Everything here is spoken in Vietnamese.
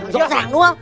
giống dạng đúng không